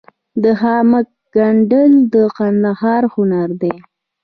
د خامک ګنډل د کندهار هنر دی.